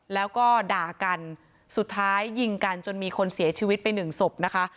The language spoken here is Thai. แล้วก็ด่ากันสุดท้ายยิงกันจนมีคนเสียชีวิตไปหนึ่งศพนะคะ